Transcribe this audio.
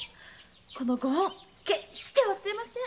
このご恩決して忘れません。